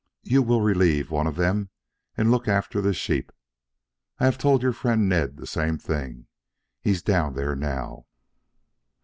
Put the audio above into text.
You will relieve one of them and look after the sheep. I have told your friend Ned the same thing. He's down there now."